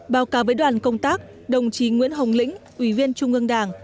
báo cáo với đoàn công tác đồng chí nguyễn hồng lĩnh ủy viên trung ương đảng